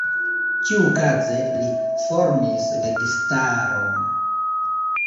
Ĉiukaze li formis registaron.